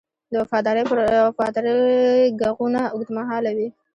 د وفادارۍ ږغونه اوږدمهاله وي.